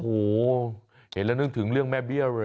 โอ้โหเห็นแล้วนึกถึงเรื่องแม่เบี้ยวเลย